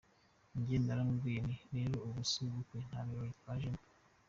Njye naramubwiye nti ‘rero ubu si ubukwe, nta birori twajemo.